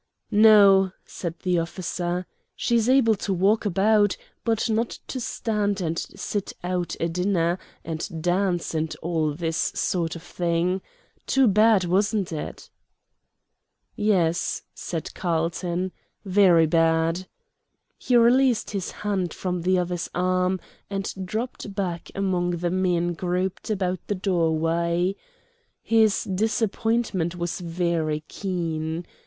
"No," said the officer; "she's able to walk about, but not to stand, and sit out a dinner, and dance, and all this sort of thing. Too bad, wasn't it?" "Yes," said Carlton, "very bad." He released his hand from the other's arm, and dropped back among the men grouped about the doorway. His disappointment was very keen.